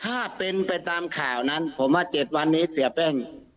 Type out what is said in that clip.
ถ้าเป็นไปตามข่าวนั้นผมว่า๗วันนี้เสียแป้ง